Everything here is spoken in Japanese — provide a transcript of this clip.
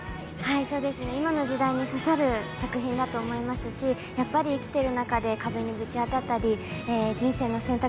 今の時代に刺さる作品だと思いますしやっぱり生きている中で壁にぶち当たったり人生の選択